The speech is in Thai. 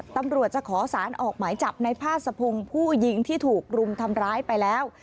ตำรวจจะขอสารออกหมายจับในพาสะพงศ์ผู้หญิงที่ถูกรุมทำร้ายไปแล้ว